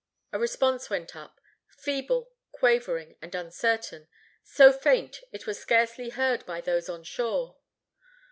A response went up, feeble, quavering and uncertain, so faint it was scarcely heard by those on shore.